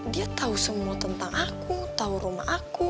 dia tahu semua tentang aku tahu rumah aku